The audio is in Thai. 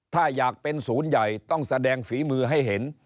ถ้าอยากเป็นศูนย์ใหญ่ต้องแสดงฝีมือให้เห็น